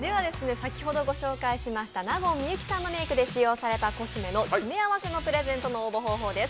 先ほどご紹介しました納言・幸さんのメークで使用されたコスメの詰め合わせのプレゼントの応募方法です。